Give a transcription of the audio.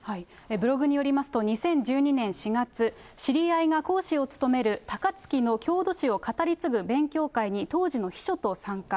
ブログによりますと、２０１２年４月、知り合いが講師を務める高槻の郷土史を語り継ぐ勉強会に、当時の秘書と参加。